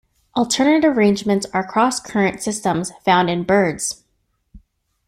Alternative arrangements are cross current systems found in birds.